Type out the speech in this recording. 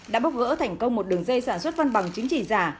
đã bốc vỡ thành công một đường dây sản xuất văn bằng chứng chỉ giả